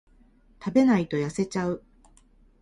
食べないと痩せちゃう